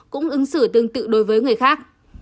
cũng ứng xử tương tự đối với người khác